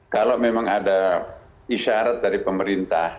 kalau memang ada isyarat dari pemerintah